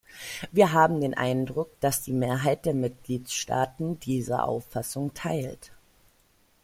Wir haben den Eindruck, dass die Mehrheit der Mitgliedstaaten diese Auffassung teilt.